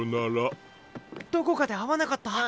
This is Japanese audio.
どこかで会わなかった？